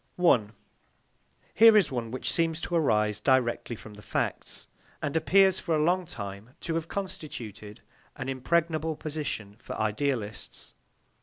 1. Here is one which seems to arise directly from the facts, and appears for a long time to have constituted an impregnable position for idealists.